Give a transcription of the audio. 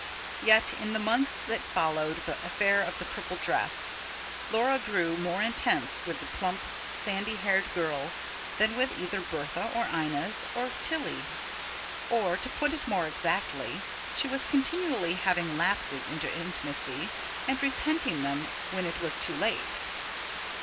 Yet, in the months that followed the affair of the purple dress, Laura grew more intimate with the plump, sandy haired girl than with either Bertha, or Inez, or Tilly. Or, to put it more exactly, she was continually having lapses into intimacy, and repenting them when it was too late.